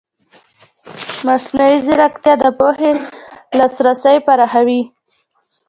مصنوعي ځیرکتیا د پوهې لاسرسی پراخوي.